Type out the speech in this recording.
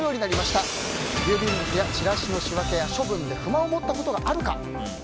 郵便物やチラシの仕分けや処分で不満を持ったことはあるか。